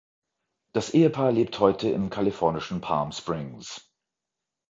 Das Ehepaar lebt heute im kalifornischen Palm Springs.